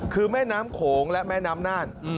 คือแม่น้ำโขงและแม่น้ำน่าน